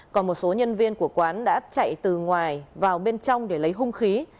còn một số nhân viên của quán đã chạy từ ngoài vào bên trong để lấy hung khí